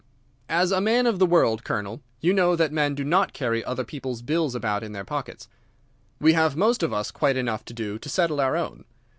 As a man of the world, Colonel, you know that men do not carry other people's bills about in their pockets. We have most of us quite enough to do to settle our own.